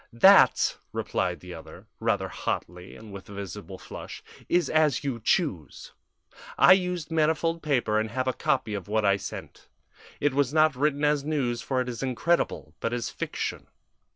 "That," replied the other, rather hotly and with a visible flush, "is as you choose. I used manifold paper and have a copy of what I sent. It was not written as news, for it is incredible, but as fiction.